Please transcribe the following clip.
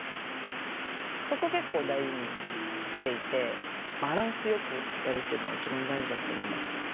そこ結構大事にしていてバランスよくやるっていうのが一番大事だと思います。